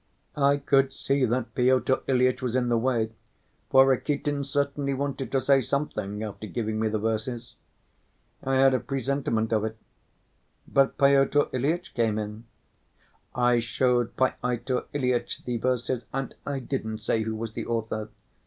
I could see that Pyotr Ilyitch was in the way, for Rakitin certainly wanted to say something after giving me the verses. I had a presentiment of it; but Pyotr Ilyitch came in. I showed Pyotr Ilyitch the verses and didn't say who was the author.